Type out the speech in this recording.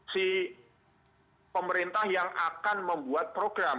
si pemerintah yang akan membuat program